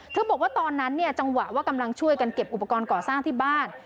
บอกว่าตอนนั้นเนี่ยจังหวะว่ากำลังช่วยกันเก็บอุปกรณ์ก่อสร้างที่บ้าน